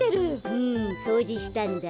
うんそうじしたんだ。